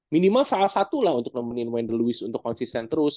minimal salah satulah untuk nemenin wendell lewis untuk konsisten terus